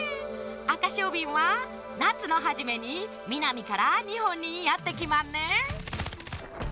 アカショウビンはなつのはじめにみなみからにほんにやってきまんねん。